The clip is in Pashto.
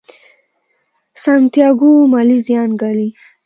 سانتیاګو مالي زیان ګالي.